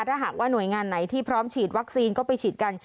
ถ้าหากว่าหน่วยงานไหนที่พร้อมฉีดวัคซีนก็ไปฉีดกัน